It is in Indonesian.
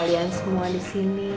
ya owner disini